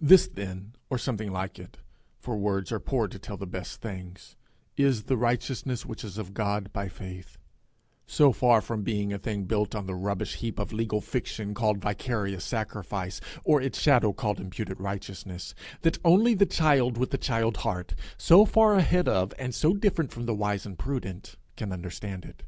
This then, or something like this, for words are poor to tell the best things, is the righteousness which is of God by faith so far from being a thing built on the rubbish heap of legal fiction called vicarious sacrifice, or its shadow called imputed righteousness, that only the child with the child heart, so far ahead of and so different from the wise and prudent, can understand it.